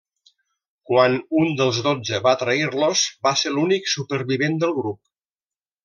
Quan un dels dotze va trair-los, va ser l'únic supervivent del grup.